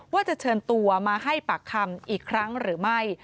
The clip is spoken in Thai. ว่าจะเชิญตัวมาให้ปากคำอีกครั้งหรือไม่